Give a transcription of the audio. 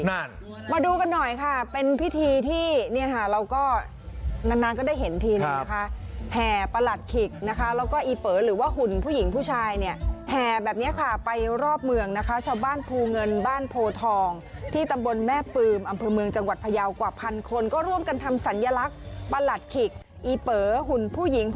นั่นมาดูกันหน่อยค่ะเป็นพิธีที่เนี่ยค่ะเราก็นานนานก็ได้เห็นทีนึงนะคะแห่ประหลัดขิกนะคะแล้วก็อีเป๋อหรือว่าหุ่นผู้หญิงผู้ชายเนี่ยแห่แบบนี้ค่ะไปรอบเมืองนะคะชาวบ้านภูเงินบ้านโพทองที่ตำบลแม่ปืมอำเภอเมืองจังหวัดพยาวกว่าพันคนก็ร่วมกันทำสัญลักษณ์ประหลัดขิกอีเป๋อหุ่นผู้หญิง